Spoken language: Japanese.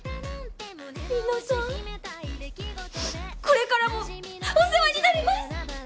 これからもお世話になります！